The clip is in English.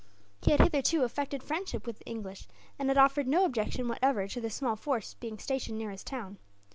He had hitherto affected friendship with the English; and had offered no objection, whatever, to the small force being stationed near his town.